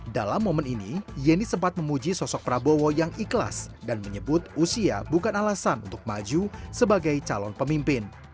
dalam momen ini yeni sempat memuji sosok prabowo yang ikhlas dan menyebut usia bukan alasan untuk maju sebagai calon pemimpin